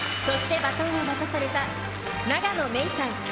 そして、バトンは渡された、永野芽郁さん。